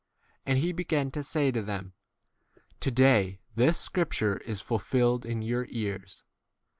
21 And he began to say to them, To day this scripture is fulfilled in 22 your ears.